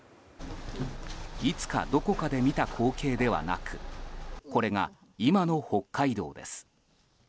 いつかどこかで見た光景ではなくこれが今の北海道です。